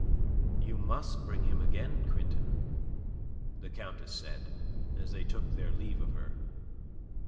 "You must bring him again, Quintin," the Countess said, as they took their leave of her.